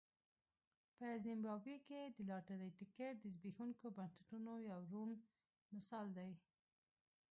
په زیمبابوې کې د لاټرۍ ټکټ د زبېښونکو بنسټونو یو روڼ مثال دی.